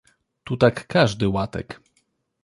Tu tak każdy łatek.